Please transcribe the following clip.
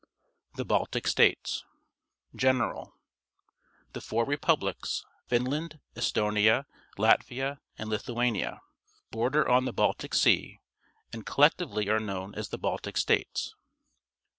THE BALTIC STATES ir^ General. — The four repubhcs — Finland, Estonia, Latvia, and Lithuania — border on the Baltic Sea and collectively are known as the Baltic States.